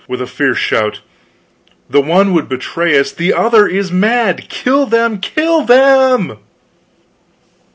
With a fierce shout, "The one would betray us, the other is mad! Kill them! Kill them!"